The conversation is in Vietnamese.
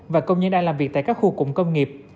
và công nhân đang làm việc tại các khu cụm công nghiệp